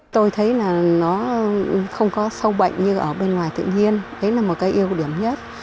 tôi thấy là nó không có sâu bệnh như ở bên ngoài tự nhiên đấy là một cái yêu điểm nhất